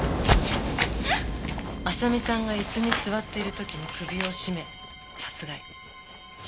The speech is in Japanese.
亜沙美さんが椅子に座っている時に首を絞め殺害。